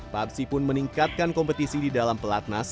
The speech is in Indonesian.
pabsi pun meningkatkan kompetisi di dalam pelaknas